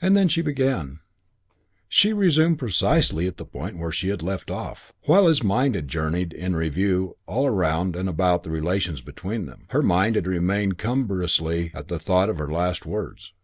And then she began: She resumed precisely at the point where she had left off. While his mind had journeyed in review all around and about the relations between them, her mind had remained cumbrously at the thought of her last words.